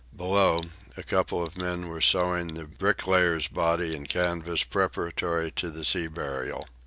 Below, a couple of men were sewing the "bricklayer's" body in canvas preparatory to the sea burial.